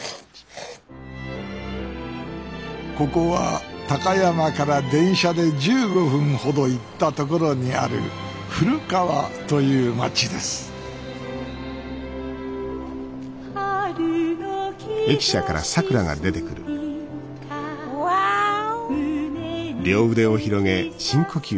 ここは高山から電車で１５分ほど行ったところにある古川という町ですワオ。